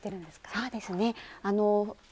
そうですね。